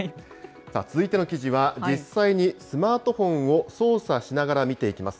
続いての記事は、実際にスマートフォンを操作しながら見ていきます。